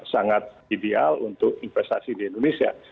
sangat ideal untuk investasi di indonesia